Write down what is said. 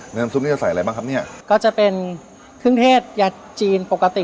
น้ำซุปนี้จะใส่อะไรบ้างครับเนี่ยก็จะเป็นเครื่องเทศยาจีนปกติ